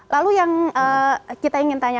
lalu yang kita ingin tanya